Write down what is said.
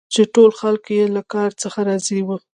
چي ټول خلک یې له کار څخه راضي وه.